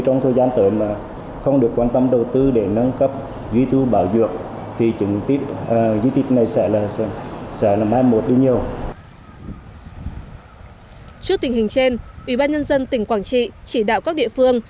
trước tình hình trên ủy ban nhân dân tỉnh quảng trị chỉ đạo các địa phương